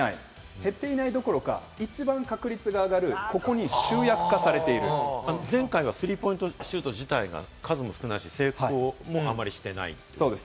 減っていないどころか、一番確率が上がる、ここに集約化されてい前回はスリーポイント自体が数も少ないし、成功もあまりしていない。